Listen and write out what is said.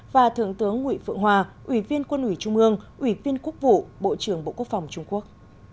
và thượng tướng nguyễn phượng hòa ủy viên quân ủy trung ương ủy viên quốc vụ bộ trưởng bộ quốc phòng trung quốc